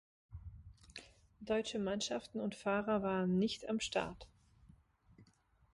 Deutsche Mannschaften und Fahrer waren nicht am Start.